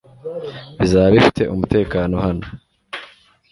bizaba bifite umutekano hano